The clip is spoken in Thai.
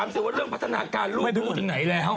พี่หนิงมาบ่อยนะคะชอบเห็นมั้ยดูมีสาระหน่อย